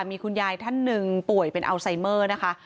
มีคุณยายท่านหนึ่งป่วยเป็นอัลไซเมอร์นะคะ